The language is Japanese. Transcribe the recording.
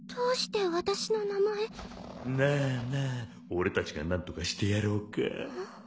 俺たちが何とかしてやろうか？